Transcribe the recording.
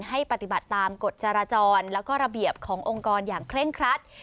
ให้ปฏิบัติตามกฎจราจรแล้วก็ระเบียบขององค์กรอย่างเคร่งครัด